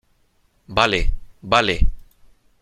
vale . vale .